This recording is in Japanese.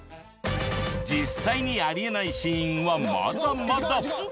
実際にありえないシーンはまだまだ。